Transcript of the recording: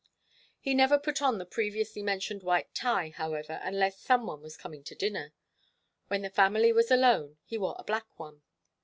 He never put on the previously mentioned white tie, however, unless some one was coming to dinner. When the family was alone, he wore a black one.